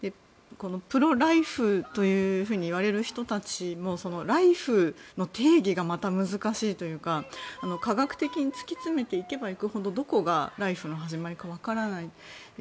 プロ・ライフというふうにいわれる人たちもライフの定義がまた難しいというか科学的に突き詰めていけばいくほどどこがライフの始まりか分からない。